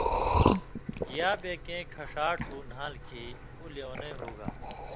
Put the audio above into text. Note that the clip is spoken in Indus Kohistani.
یا بے کېں کھشاٹ ہُو نھال کھیں اُو لېونئ ہُوگا